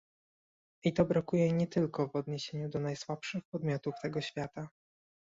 I to brakuje nie tylko w odniesieniu do najsłabszych podmiotów tego świata